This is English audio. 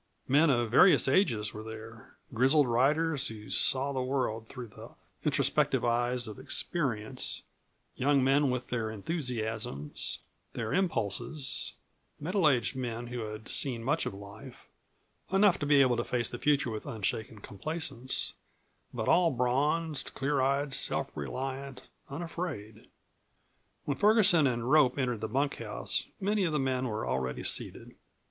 Men of various ages were there grizzled riders who saw the world through the introspective eye of experience; young men with their enthusiasms, their impulses; middle aged men who had seen much of life enough to be able to face the future with unshaken complacence; but all bronzed, clear eyed, self reliant, unafraid. When Ferguson and Rope entered the bunkhouse many of the men were already seated.